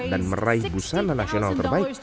dan meraih busana nasional terbaik